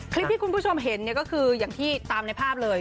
คลิปที่คุณผู้ชมเห็นก็คลิปตามในภาพเลย